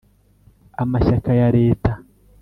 amashyaka ya leta